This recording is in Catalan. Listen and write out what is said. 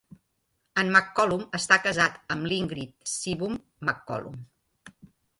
En McCollum està casat amb l'Íngrid Seebohm McCollum.